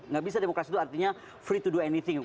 nggak bisa demokrasi itu artinya free to do anything